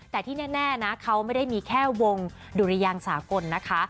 แต่ที่แน่นะเขาไม่ได้มีแค่วงดุรยางสากลนะคะ